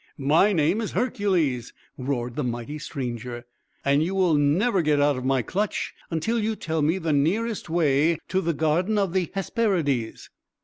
"My name is Hercules!" roared the mighty stranger. "And you will never get out of my clutch until you tell me the nearest way to the garden of the Hesperides!"